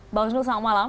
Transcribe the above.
mbak husnu selamat malam